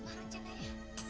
udah udahan aja berhasil pasti